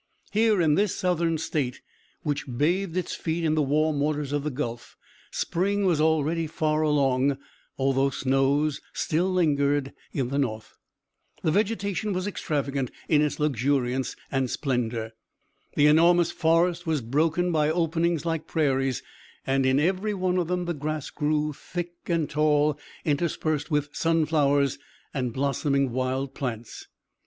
Here in this Southern state, which bathed its feet in the warm waters of the Gulf, spring was already far along, although snows still lingered in the North. The vegetation was extravagant in its luxuriance and splendor. The enormous forest was broken by openings like prairies, and in every one of them the grass grew thick and tall, interspersed with sunflowers and blossoming wild plants.